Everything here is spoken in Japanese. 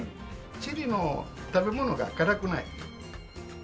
チリの食べ物が辛くない。